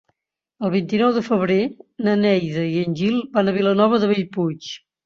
El vint-i-nou de febrer na Neida i en Gil van a Vilanova de Bellpuig.